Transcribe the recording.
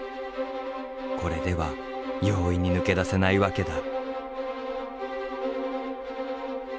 これでは容易に抜け出せないわけだ。